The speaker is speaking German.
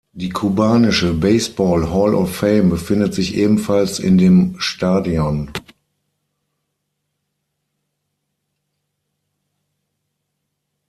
Die Kubanische Baseball Hall of Fame befindet sich ebenfalls in dem Stadion.